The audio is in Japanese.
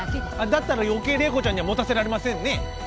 だったら余計麗子ちゃんには持たせられませんね。